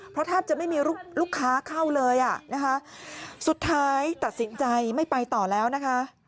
เพราะแทบจะไม่มีลูกค้าเข้าเลยอ่ะนะคะสุดท้ายตัดสินใจไม่ไปต่อแล้วนะคะ